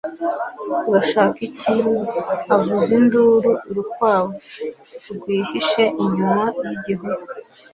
urashaka iki? avuza induru urukwavu, rwihishe inyuma yigihuru